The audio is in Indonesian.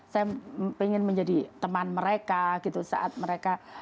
saya ingin menjadi teman mereka gitu saat mereka